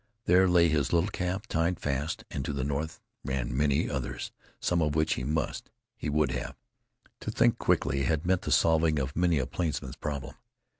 There lay his little calf tied fast, and to the north ran many others, some of which he must he would have. To think quickly had meant the solving of many a plainsman's problem.